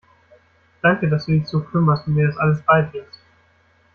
Danke, dass du dich so kümmerst und mir das alles beibringst.